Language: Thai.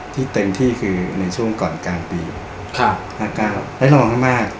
ที่เต็มที่คือในช่วงก่อนกลางปีครับห้าเก้าแล้วเรามองให้มาก